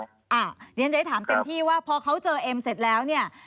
เดี๋ยวฉันจะได้ถามเต็มที่ว่าพอเขาเจอเอ็มเสร็จแล้วเนี่ย